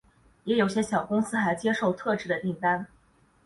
也有些小公司还接受特制的订单。